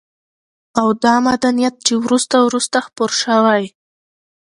او دا مدنيت چې وروسته وروسته خپور شوى